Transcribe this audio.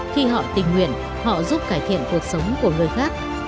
khi họ tình nguyện họ giúp cải thiện cuộc sống của người khác